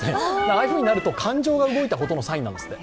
ああなると感情が動いたことのサインなんですって。